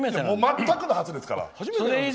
全くの初ですから。